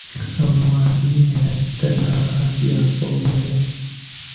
هەمووان لێرەن تەنها دیاکۆ نەبێت.